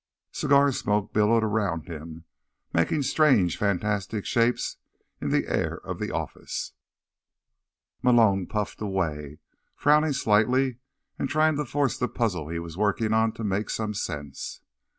Cigar smoke billowed around him, making strange, fantastic shapes in the air of the office. Malone puffed away, frowning slightly and trying to force the puzzle he was working on to make some sense.